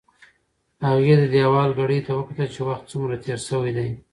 هغې د دېوال ګړۍ ته وکتل چې وخت څومره تېر شوی دی.